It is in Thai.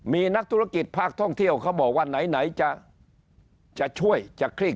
มีนักธุรกิจภาคท่องเที่ยวเขาบอกว่าไหนจะช่วยจะคลี่